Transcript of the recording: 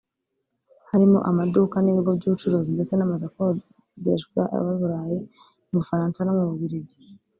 harimo amaduka n’ibigo by’ubucuruzi ndetse n’amazu akodeshwa aba i Burayi mu Bufaransa no mu Bubiligi